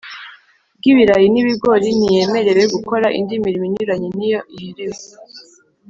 bw ibirayi n ibigori Ntiyemerewe gukora indi mirimo inyuranye n iyo iherewe